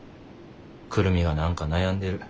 久留美が何か悩んでる。